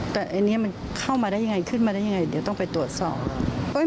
แต่อันนี้มันเข้ามาได้ยังไงขึ้นมาได้ยังไงเดี๋ยวต้องไปตรวจสอบ